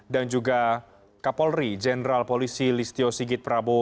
dan juga kapolri jenderal polisi listio sigit prabowo